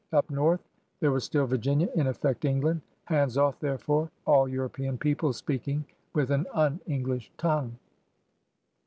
Up north there was still Virginia — in effect, England ! Hands off, therefore, all Euro pean peoples speaking with an un English tongue!